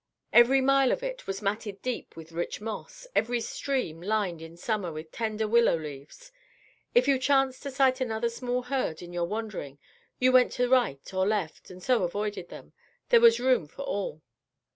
Every mile of it was matted deep with rich moss; every stream lined in summer with tender willow leaves. If you chanced to sight another small herd in your wandering, you went to right or left, and so avoided them. There was room for all.